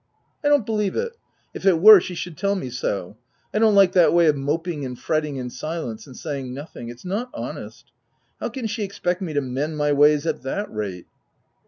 u I don't believe it. If it were, she should tell me so : I don't like that way of moping and fretting in silence, and saying nothing — it's not honest. How can she expect me to mend my ways at that rate?"